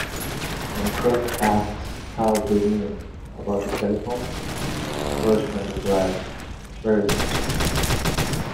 When Krug asks how they knew about the telephone, Bergman replies, Very simple.